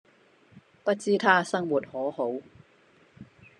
不知他生活可好